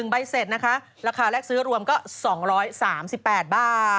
ใบเสร็จนะคะราคาแรกซื้อรวมก็๒๓๘บาท